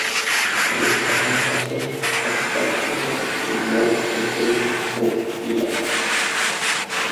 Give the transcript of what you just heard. Er ist verheiratet, hat zwei Kinder und wohnhaft in Bremen-Obervieland.